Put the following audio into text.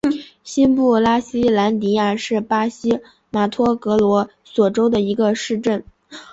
新布拉西兰迪亚是巴西马托格罗索州的一个市镇。